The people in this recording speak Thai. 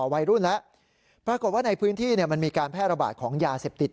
วัยรุ่นแล้วปรากฏว่าในพื้นที่มันมีการแพร่ระบาดของยาเสพติด